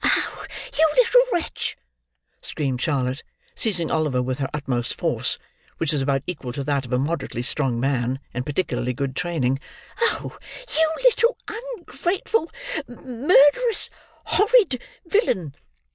"Oh, you little wretch!" screamed Charlotte: seizing Oliver with her utmost force, which was about equal to that of a moderately strong man in particularly good training. "Oh, you little un grate ful, mur de rous, hor rid villain!"